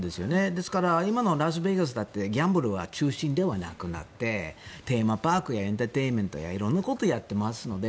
ですから、今のラスベガスだってギャンブルが中心ではなくなってテーマパークやエンターテインメントや色んなことをやっていますので。